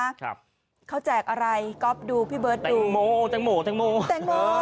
ครับเขาแจกอะไรก๊อฟดูพี่เบิร์ตดูโมแตงโมแตงโมแตงโมแตงโม